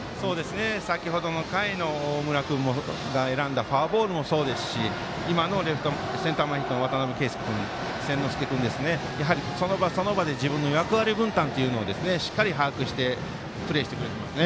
先ほどの回の大村君が選んだフォアボールもそうですし今のセンター前ヒットの渡邉千之亮君その場、その場で自分の役割分担をしっかり把握してプレーしてくれています。